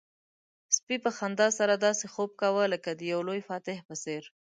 سپي په خندا سره داسې خوب کاوه لکه د یو لوی فاتح په څېر.